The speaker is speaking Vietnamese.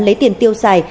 lấy tiền tiêu xài